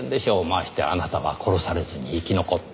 ましてあなたは殺されずに生き残った。